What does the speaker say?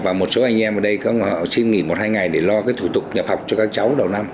và một số anh em ở đây xin nghỉ một hai ngày để lo cái thủ tục nhập học cho các cháu đầu năm